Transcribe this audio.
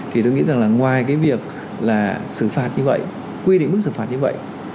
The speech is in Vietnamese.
thì tôi nghĩ rằng là ngoài cái việc là xử phạt như vậy quy định mức xử phạt như vậy